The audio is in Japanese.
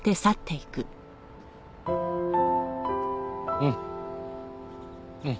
うんうん。